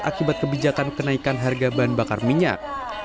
akibat kebijakan kenaikan harga bahan bakar minyak